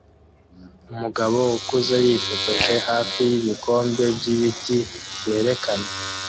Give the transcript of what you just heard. Umugabo ukuze yifotoje hafi y'ibikombe by'ibiti byerekanwe